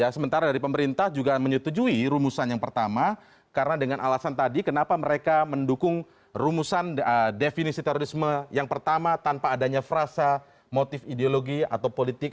sementara dari pemerintah juga menyetujui rumusan yang pertama karena dengan alasan tadi kenapa mereka mendukung rumusan definisi terorisme yang pertama tanpa adanya frasa motif ideologi atau politik